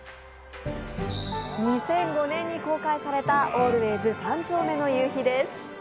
２００５年に公開された「ＡＬＷＡＹＳ三丁目の夕日」です。